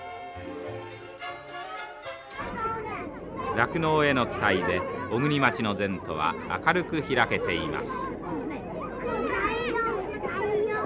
酪農への期待で小国町の前途は明るく開けています。